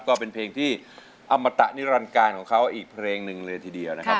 ก็เป็นเพลงที่อมตะนิรันการของเขาอีกเพลงหนึ่งเลยทีเดียวนะครับ